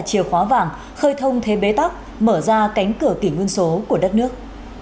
chìa khóa vàng khơi thông thế bế tắc mở ra cánh cửa kỷ nguyên số của đất nước